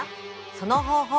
その方法